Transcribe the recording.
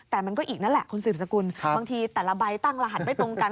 แต่มันก็อีกนั่นแหละคุณสืบสกุลบางทีแต่ละใบตั้งรหัสไม่ตรงกัน